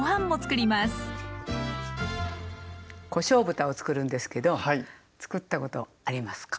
こしょう豚をつくるんですけどつくったことありますか。